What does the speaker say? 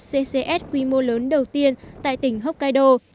ccs quy mô lớn đầu tiên tại tỉnh hokkaido